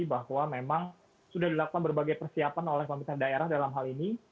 bahwa memang sudah dilakukan berbagai persiapan oleh pemerintah daerah dalam hal ini